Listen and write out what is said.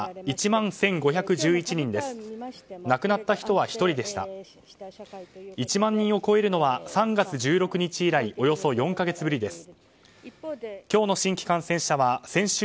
１万人を超えるのは３月１６日以来およそ４か月ぶりです。